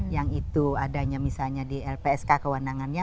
yang itu adanya misalnya di lpsk kewenangannya